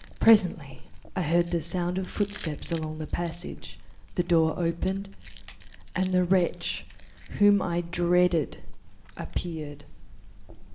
Presently I heard the sound of footsteps along the passage; the door opened, and the wretch whom I dreaded appeared.